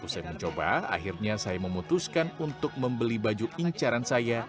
usai mencoba akhirnya saya memutuskan untuk membeli baju incaran saya